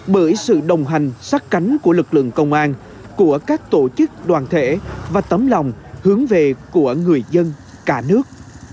bởi sự đồng hành sát cánh của lực lượng công an của các tổ chức đoàn thể và tấm lòng hướng về của người dân cả nước